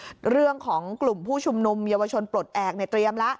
ในตรียมหลังกลุ่มผู้ชมนุมเยอะวชนปลดแอล